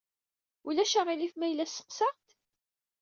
Ulac aɣilif ma yella sseqsaɣ-d?